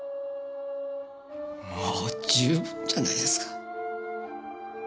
もう十分じゃないですか。